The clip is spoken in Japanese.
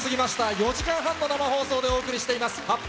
４時間半の生放送でお送りしています、発表！